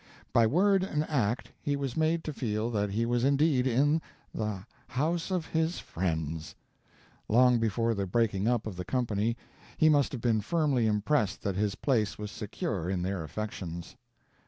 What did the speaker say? By word and act he was made to feel that he was indeed in the "house of his friends." Long before the breaking up of the company he must have been firmly impressed that his place was secure in their affections.